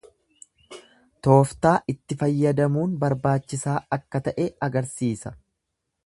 Tooftaa itti fayyadamuun barbaachisaa akka ta'e agarsiisa.